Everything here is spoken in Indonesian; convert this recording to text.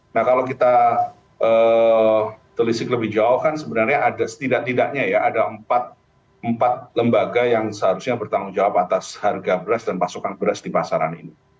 nah kalau kita telisik lebih jauh kan sebenarnya ada setidak tidaknya ya ada empat lembaga yang seharusnya bertanggung jawab atas harga beras dan pasokan beras di pasaran ini